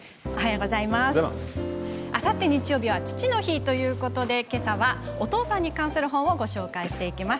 あさって日曜日は父の日ということで、けさはお父さんに関する本をご紹介していきます。